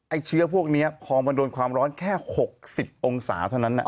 เชื้อพวกนี้พอมันโดนความร้อนแค่๖๐องศาเท่านั้น